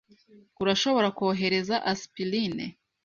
Urashobora kohereza aspirine?